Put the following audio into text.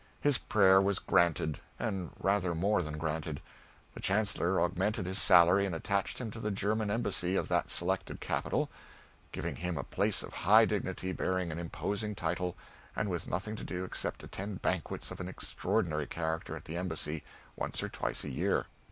His prayer was granted, and rather more than granted. The chancellor augmented his salary and attached him to the German Embassy of that selected capital, giving him a place of high dignity bearing an imposing title, and with nothing to do except attend banquets of an extraordinary character at the Embassy, once or twice a year.